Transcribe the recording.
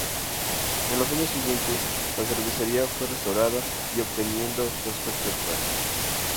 En los años siguientes, la cervecería fue restaurada y obteniendo su aspecto actual.